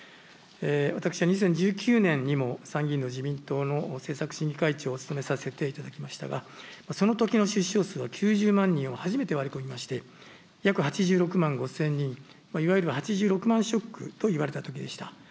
私は２０１９年にも参議院の自民党の政策審議会長を務めさせていただきましたが、そのときの出生数は９０万人を初めて割り込みまして、約８６万５０００人、いわゆる８６万ショックといわれたときでした。